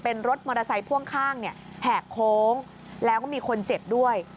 เป็นรถมอเตอร์ไซค์พ่วงข้างเนี่ยแหกโค้งแล้วก็มีคนเจ็บด้วย